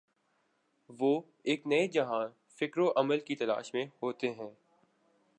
وہ ایک نئے جہان فکر و عمل کی تلاش میں ہوتے ہیں۔